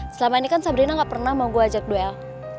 selama ini kan sabrina nggak pernah mau gue ajak duel